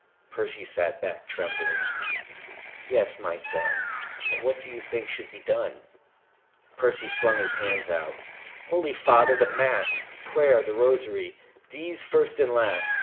Percy sat back, trembling. "Yes, my son. And what do you think should be done?" Percy flung out his hands. "Holy Father the mass, prayer, the rosary. These first and last.